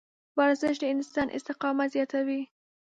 ورزش د انسان استقامت زیاتوي.